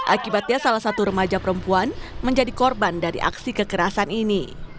akibatnya salah satu remaja perempuan menjadi korban dari aksi kekerasan ini